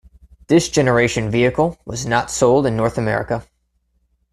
This generation vehicle was not sold in North America.